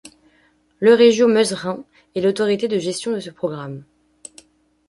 L'Euregio Meuse-Rhin est l'autorité de gestion de ce programme.